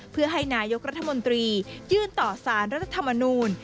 เพื่อให้นายกรัฐมนตรียื่นต่อสารรัฐธรรมนูล